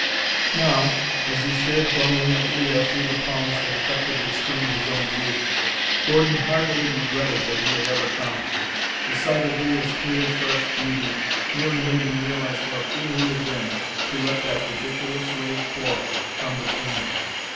Now, as he stared glumly at Leah through the palms that effectively screened his own booth, Gordon heartily regretted that he had ever come. The sight of Leah's clear fresh beauty merely made him realize what a fool he had been to let that ridiculous little quarrel come between them.